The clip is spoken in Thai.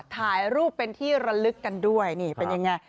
ถ่ายรูปเป็นที่ระลึกกันด้วยนี่เป็นยังไง